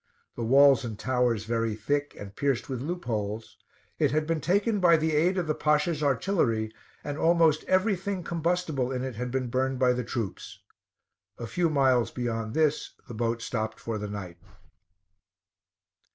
The walls and towers very thick and pierced with loopholes: it had been taken by the aid of the Pasha's artillery, and almost every thing combustible in it had been burned by the troops. A few miles beyond this the boat stopped for the night.